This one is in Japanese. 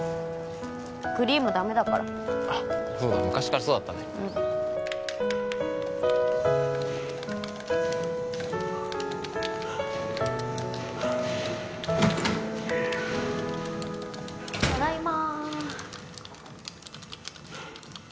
クリームダメだからあっそうだ昔からそうだったねうんただいま